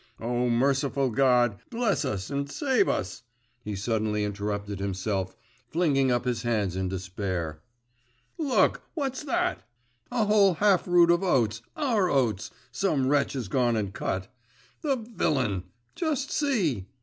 O merciful God, bless us and save us!' he suddenly interrupted himself, flinging up his hands in despair. 'Look! what's that? A whole half rood of oats, our oats, some wretch has gone and cut. The villain! Just see!